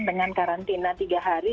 dengan karantina tiga hari